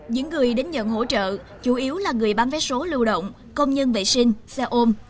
những người đến nhận hỗ trợ chủ yếu là người bán vé số lưu động công nhân vệ sinh xe ôm